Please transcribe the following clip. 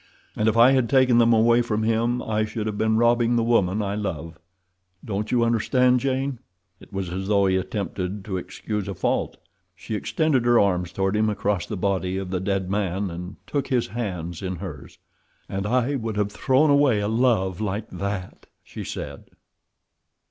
"And if I had taken them away from him I should have been robbing the woman I love—don't you understand, Jane?" It was as though he attempted to excuse a fault. She extended her arms toward him across the body of the dead man, and took his hands in hers. "And I would have thrown away a love like that!" she said.